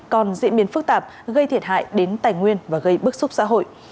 còn diễn biến phức tạp gây thiệt hại đến tài nguyên và gây bức xúc xã hội